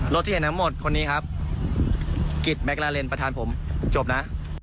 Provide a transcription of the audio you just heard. รถที่เห็นน้ำหมดคนนี้ครับกิตแมคลาเรนประธานผมจบนะ